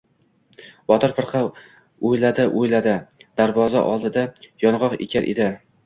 Botir firqa o‘iladi-o‘yladi — darvoza oldida... yong‘oq ekar bo‘ldi.